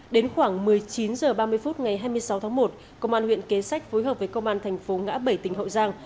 đến khoảng một mươi chín h ba mươi phút ngày hai mươi sáu tháng một công an huyện kế sách phối hợp với công an thành phố ngã bảy tỉnh hậu giang